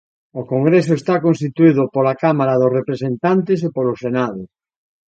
O Congreso está constituído pola Cámara dos Representantes e polo Senado.